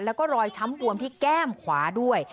แล้วก็รอยช้ำบวมที่แก้มขวาด้วย